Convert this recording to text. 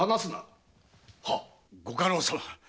ご家老様。